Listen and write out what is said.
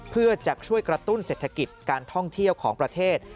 เพื่อจะช่วยกระตุ้นเศรษฐกิจการท่องเที่ยวของประเทศ